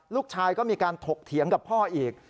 ลูกชายก็มีการถกเถียงกับพ่ออีก